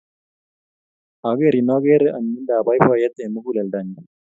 Akerin akere anyinyindap poipoiyet eng' muguleldanyu.